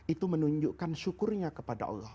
itu menunjukkan syukurnya kepada allah